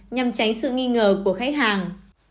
nhằm tránh sự nghi ngờ của khách hàng